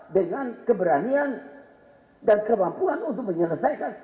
dengan keberanian dan kemampuan untuk menyelesaikan